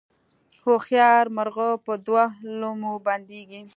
هوښیار مرغه په دوو لومو بندیږي